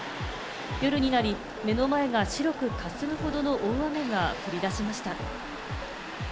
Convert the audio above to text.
夜になり、目の前が白く霞むほどの大雨が降り出しました。